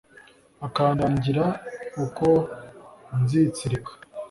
akandangira uko nzitsirika